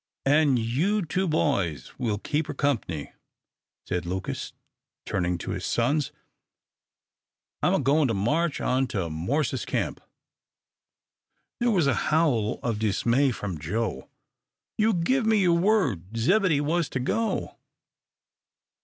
"An' you two boys will keep her comp'ny," said Lucas, turning to his sons. "I'm a goin' to march on to Morse's camp." There was a howl of dismay from Joe. "You give me your word Zebedee was to go."